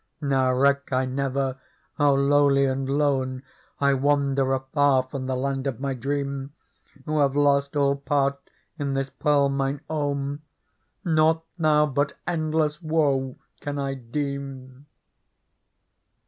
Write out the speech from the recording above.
Now reck I never how lowly and lone I wander, afar from the land of my dream, Who have lost all part in this Pearl, mine own ! Nought now but endless woe can I deem."